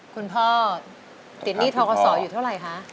คุณพ่อติดหนี้ทกศอยู่เท่าไหร่คะ